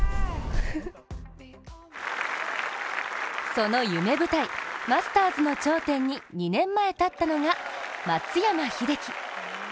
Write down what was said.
その夢舞台、マスターズの頂点に２年前立ったのが、松山英樹。